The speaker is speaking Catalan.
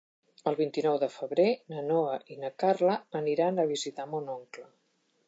El vint-i-nou de febrer na Noa i na Carla aniran a visitar mon oncle.